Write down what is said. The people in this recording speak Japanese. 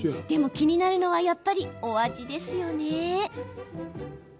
気になるのはやっぱりお味ですよね？